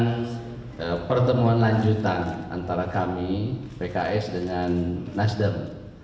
ada pertemuan lanjutan antara kami pks dengan nasdem